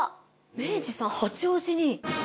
明治さん八王子に。